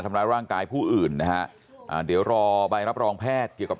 ทำร้ายร่างกายผู้อื่นนะฮะอ่าเดี๋ยวรอใบรับรองแพทย์เกี่ยวกับ